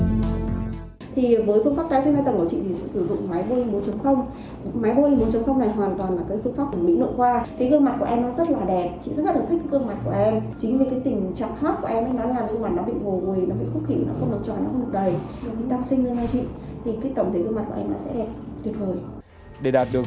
thì với phương pháp tái sinh hai tầng của chị thì sẽ sử dụng máy boeing bốn